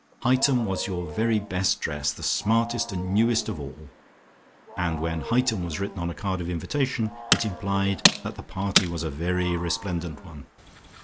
"Hightum" was your very best dress, the smartest and newest of all, and when "Hightum" was written on a card of invitation, it implied that the party was a very resplendent one.